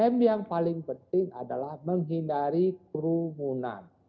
tiga m yang paling penting adalah menghindari kerumunan